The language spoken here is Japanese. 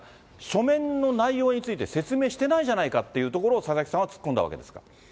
書面の内容について説明してないじゃないかというところを、佐々木さんは突っ込んだわけです